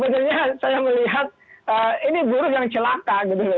makanya ini kan sebenarnya saya melihat ini buruk yang celaka dulu